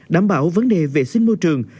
đảm bảo vấn đề vệ sinh môi trường